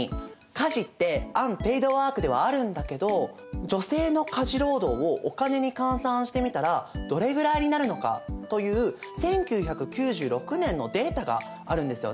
家事ってアンペイドワークではあるんだけど女性の家事労働をお金に換算してみたらどれぐらいになるのかという１９９６年のデータがあるんですよね。